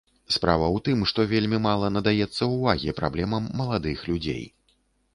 Справа ў тым, што вельмі мала надаецца ўвагі праблемам маладых людзей.